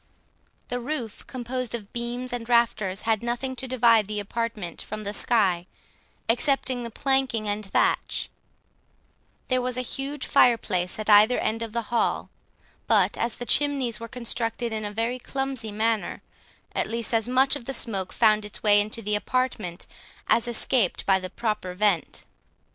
The roof, composed of beams and rafters, had nothing to divide the apartment from the sky excepting the planking and thatch; there was a huge fireplace at either end of the hall, but as the chimneys were constructed in a very clumsy manner, at least as much of the smoke found its way into the apartment as escaped by the proper vent.